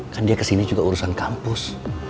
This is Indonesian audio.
kan dia kesini juga urusan kampus